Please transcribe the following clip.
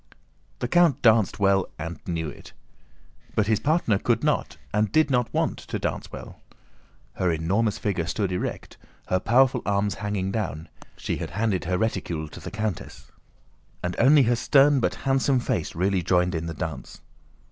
The count danced well and knew it. But his partner could not and did not want to dance well. Her enormous figure stood erect, her powerful arms hanging down (she had handed her reticule to the countess), and only her stern but handsome face really joined in the dance.